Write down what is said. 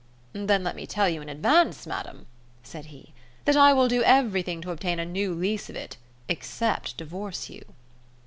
"Then let me tell you in advance, madam," said he, "that I will do everything to obtain a new lease of it, except divorce you."